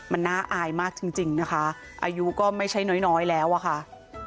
มันน่าอายมากจริงนะคะอายุก็ไม่ใช่น้อยแล้วอะค่ะ